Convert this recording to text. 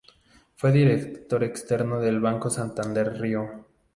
Fue Director externo del Banco Santander Río.